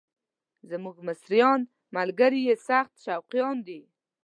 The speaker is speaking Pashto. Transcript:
زموږ مصریان ملګري یې سخت شوقیان دي.